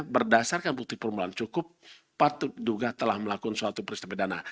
berdasarkan bukti permulaan cukup patut diduga telah melakukan suatu peristiwa pidana